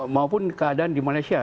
maupun keadaan di malaysia